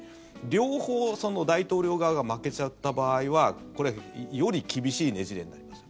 両方、大統領側が負けちゃった場合はより厳しいねじれになります。